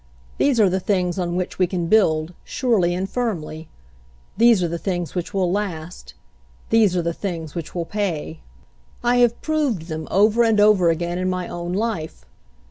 These are the things on which we can build, surely and firmly. These are the things which will last. These are the things which will pay. "I have proved them over and over again in my own life.